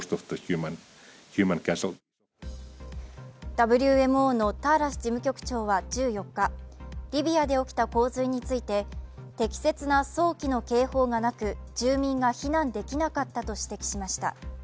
ＷＭＯのターラス事務局長は１４日、リビアで起きた洪水について適切な早期の警報がなく、住民が避難できなかったと指摘しました。